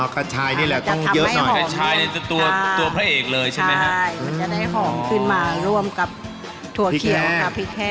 อ๋อกระทายนี่แหละต้องเยอะหน่อยจะทำให้หอมจะได้หอมขึ้นมาร่วมกับถั่วเขียวกับพริกแห้ง